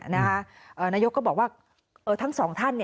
นายกก็บอกว่าทั้งสองท่าน